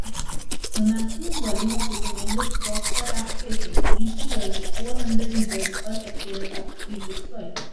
The maximum volume of recommended stock per application of weed killers is four hundred liters per hectare of treated soil.